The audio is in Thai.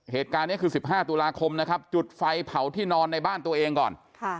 เหตุการณ์นี้คือ๑๕ตุลาคมนะครับจุดไฟเผาที่นอนในบ้านตัวเองก่อน